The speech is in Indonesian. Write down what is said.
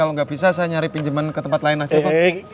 kalo gak bisa saya nyari pinjeman ke tempat lain aja bang